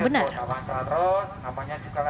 bagaimana cara yang benar